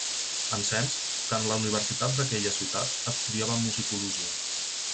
Ensems, que en la Universitat d'aquella ciutat, estudiava musicologia.